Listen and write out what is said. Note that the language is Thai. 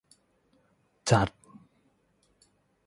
จัด